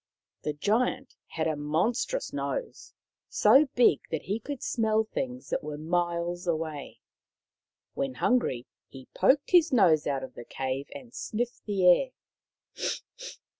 The Giant had a monstrous nose, so big that he could smell things that were miles away. When hungry he poked his nose out of the cave and sniffed the air.